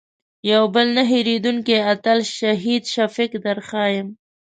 یو بل نه هېرېدونکی اتل شهید شفیق در ښیم.